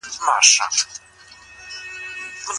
شاه امان الله خان د هېواد د پرمختګ غوښتونکی و.